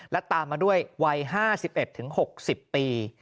และตามมาด้วยวัย๕๑๖๐ปี